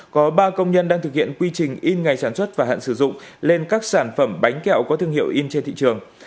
có ba công nhân đang thực hiện quy trình in ngày sản xuất và hạn sử dụng lên các sản phẩm bánh kẹo có thương hiệu in trên thị trường